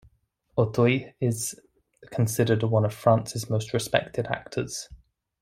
Auteuil is considered one of France's most respected actors.